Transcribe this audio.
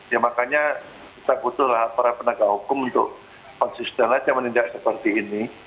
ya makanya kita butuhlah para penegak hukum untuk konsisten aja menindak seperti ini